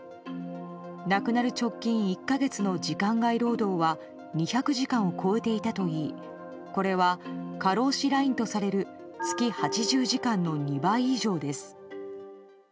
亡くなる直近１か月の時間外労働は２００時間を超えていたといいこれは過労死ラインとされる月８０時間の２倍以上です。